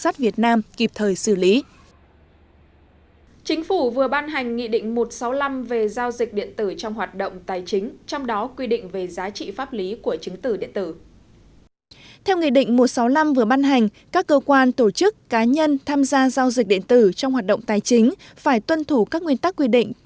theo nghị định một trăm sáu mươi năm vừa ban hành các cơ quan tổ chức cá nhân tham gia giao dịch điện tử trong hoạt động tài chính phải tuân thủ các nguyên tắc quy định